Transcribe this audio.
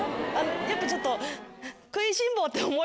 やっぱちょっと。